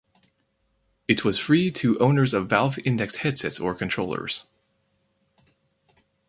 It was free to owners of Valve Index headsets or controllers.